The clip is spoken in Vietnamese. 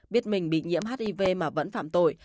biết mình bị nhiễm hiv mà vẫn phạm tội